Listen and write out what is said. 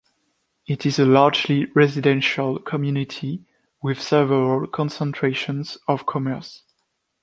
It is a largely residential community with several concentrations of commerce.